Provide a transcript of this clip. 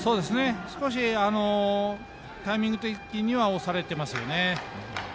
少しタイミング的には押されてますよね。